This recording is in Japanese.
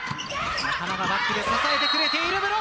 仲間がバックで支えてくれている。